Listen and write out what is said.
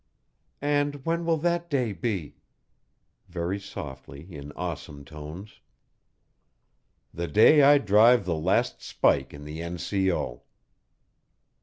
"And when will that day be?" Very softly, in awesome tones! "The day I drive the last spike in the N. C. O."